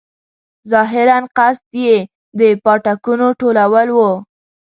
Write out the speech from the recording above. ظاهراً قصد یې د پاټکونو ټولول وو.